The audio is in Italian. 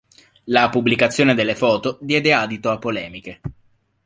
La pubblicazione delle foto diede adito a polemiche.